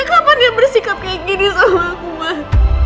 iman juga mau sampai kapan dia bersikap kayak gini sama aku mak